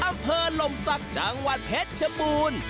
อำเภอลมศักดิ์จังหวัดเพชรชบูรณ์